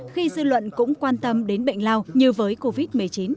khi dư luận cũng quan tâm đến bệnh lao như với covid một mươi chín